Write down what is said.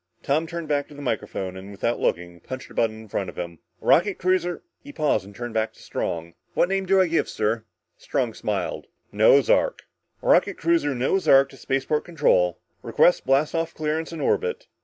Tom turned back to the microphone, and without looking, punched a button in front of him. "Rocket cruiser " He paused and turned back to Strong. "What name do I give, sir?" Strong smiled. "Noah's Ark " "Rocket cruiser Noah's Ark to spaceport control! Request blast off clearance and orbit."